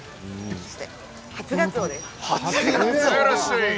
そして初がつおです。